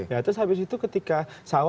ya terus habis itu ketika sawah hilang nggak ada